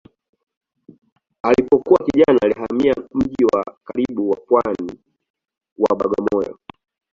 Alipokuwa kijana alihamia mji wa karibu wa pwani wa Bagamoyo.